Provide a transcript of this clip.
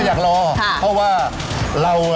จะรอเพราะว่า